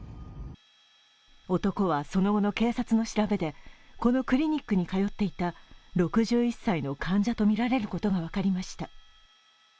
男はその後の警察の調べでこのクリニックに通っていた６１歳の患者とみられることが分かりました。